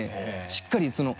しっかり。